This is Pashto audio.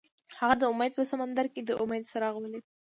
هغه د امید په سمندر کې د امید څراغ ولید.